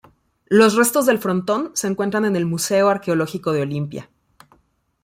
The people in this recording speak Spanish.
Los restos del frontón se encuentran en el Museo Arqueológico de Olimpia.